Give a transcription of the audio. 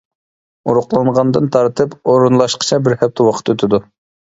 ئۇرۇقلانغاندىن تارتىپ ئورۇنلاشقىچە بىر ھەپتە ۋاقىت ئۆتىدۇ.